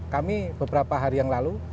kami beberapa hari yang lalu